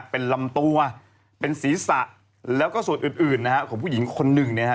เป็นลำตัวเป็นศีรษะแล้วก็ส่วนอื่นนะฮะของผู้หญิงคนหนึ่งเนี่ยฮะ